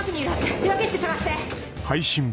手分けして捜して！